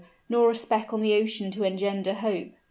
nor a speck on the ocean to engender hope.